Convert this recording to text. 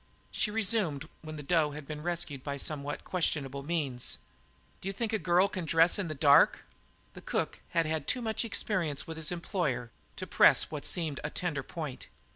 She resumed, when the dough had been rescued by somewhat questionable means: "D'you think a girl can dress in the dark?" But the cook had had too much experience with his employer to press what seemed a tender point.